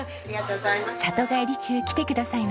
里帰り中来てくださいました。